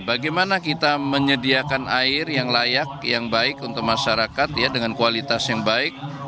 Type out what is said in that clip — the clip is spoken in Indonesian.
bagaimana kita menyediakan air yang layak yang baik untuk masyarakat dengan kualitas yang baik